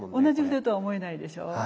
同じ筆とは思えないでしょ？